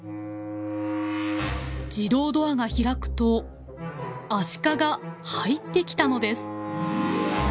自動ドアが開くとアシカが入ってきたのです。